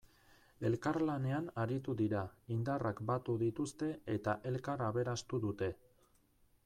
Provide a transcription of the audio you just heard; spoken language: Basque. Elkarlanean aritu dira, indarrak batu dituzte eta elkar aberastu dute.